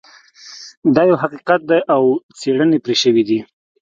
دا یو حقیقت دی او څیړنې پرې شوي دي